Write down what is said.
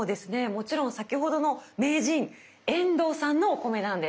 もちろん先ほどの名人遠藤さんのお米なんです。